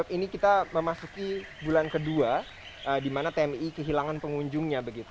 ini kita memasuki bulan kedua di mana tmi kehilangan pengunjungnya